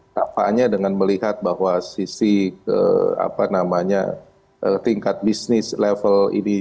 tampaknya dengan melihat bahwa sisi tingkat bisnis level ini